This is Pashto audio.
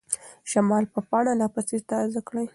شمال به پاڼه لا پسې تازه کړي.